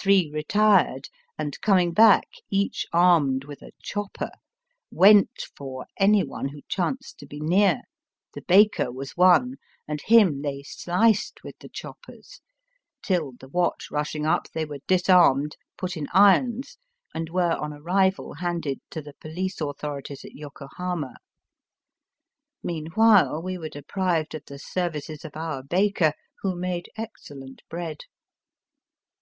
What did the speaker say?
Three retired, and coming back, each armed with a chopper, "went for" any one who chanced to be near— the baker was one, and him they sliced with the choppers— till, the watch rushing up, they were disarmed, put in irons, and were on arrival handed to the police authorities at Yokohama. Meanwhile we were deprived of the services of our baker, who made excellent bread.